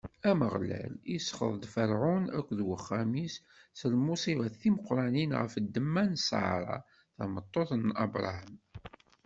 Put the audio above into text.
Ameɣlal isxeḍ-d Ferɛun akked wat wexxam-is s lmuṣibat timeqranin ɣef ddemma n Ṣara, tameṭṭut n Abṛaham.